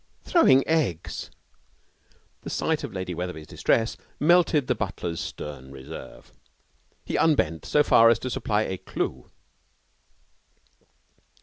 'Throwing eggs!' The sight of Lady Wetherby's distress melted the butler's stern reserve. He unbent so far as to supply a clue.